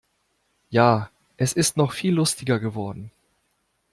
Ja, es ist noch viel lustiger geworden.